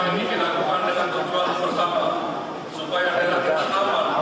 semua ini dilakukan dengan kejuatan bersama